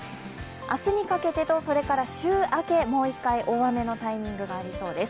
明日にかけてと、それと週明け、もう一回大雨のタイミングありそうです。